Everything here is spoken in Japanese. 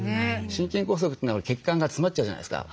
心筋梗塞というのは血管が詰まっちゃうじゃないですか。